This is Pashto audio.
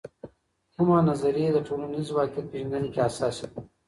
کومې نظریې د ټولنیز واقعیت پیژندنې کې حساسې دي؟